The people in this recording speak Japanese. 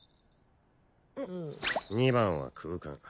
二番は空間